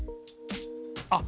あっ！